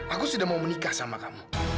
aku sudah mau menikah sama kamu